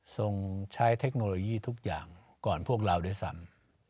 ใช้เทคโนโลยีทุกอย่างก่อนพวกเราด้วยซ้ำ